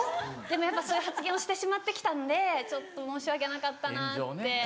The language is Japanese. でもやっぱそういう発言をしてしまって来たんでちょっと申し訳なかったなって。